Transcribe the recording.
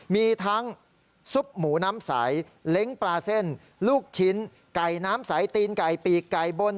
มีทั้งซุปหมูน้ำใสเล้งปลาเส้นลูกชิ้นไก่น้ำใสตีนไก่ปีกไก่บน